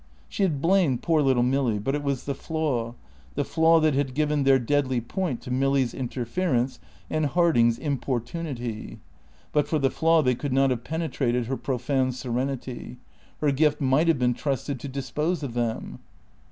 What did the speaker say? She had blamed poor little Milly, but it was the flaw, the flaw that had given their deadly point to Milly's interference and Harding's importunity. But for the flaw they could not have penetrated her profound serenity. Her gift might have been trusted to dispose of them.